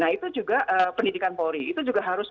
nah itu juga pendidikan polri itu juga harus